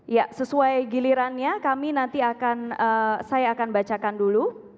ya sesuai gilirannya kami nanti akan saya akan bacakan dulu